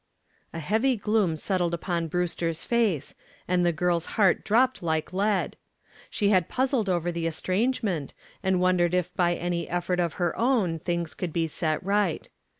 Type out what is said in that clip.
A heavy gloom settled upon Brewster's face, and the girl's heart dropped like lead. She had puzzled over the estrangement, and wondered if by any effort of her own things could be set right.